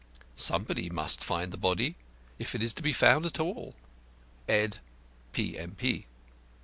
Somebody must find the body, if it is to be found at all. Ed. P.M.